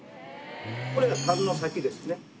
これタンの先ですね